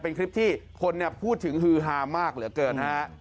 เป็นคลิปที่คนพูดถึงฮือฮามากเหลือเกินฮะ